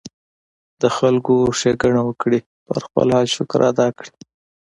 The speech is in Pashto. د خلکو ښېګړه وکړي ، پۀ خپل حال شکر ادا کړي